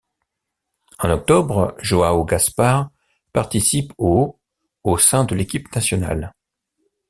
En octobre, João Gaspar participe au au sein de l'équipe nationale.